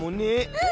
うん。